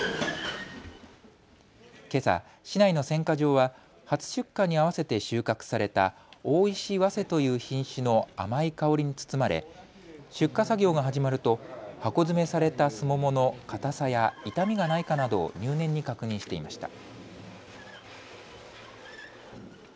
けさ、市内の選果場は初出荷に合わせて収穫された大石早生という品種の甘い香りに包まれ出荷作業が始まると箱詰めされたスモモの硬さや傷みがないかなどを入念に確認していました。